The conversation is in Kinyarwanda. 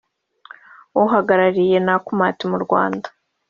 uhagarariye Nakumatt mu Rwanda